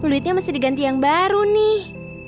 wah fluidnya mesti diganti yang baru nih